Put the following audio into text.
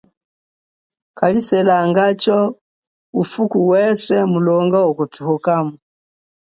Kaliselangacho ufuku weswe mulonga wakuthukamo.